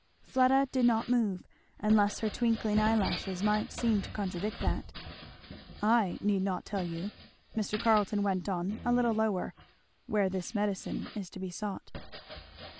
Fleda did not move, unless her twinkling eyelashes might seem to contradict that. "I need not tell you," Mr. Carleton went on a little lower, "where this medicine is to be sought."